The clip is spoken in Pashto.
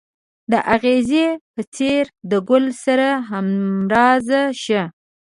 د اغزي په څېر د ګل سره همراز شه.